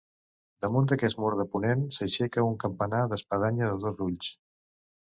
Damunt d'aquest mur de ponent s'aixeca un campanar d'espadanya de dos ulls.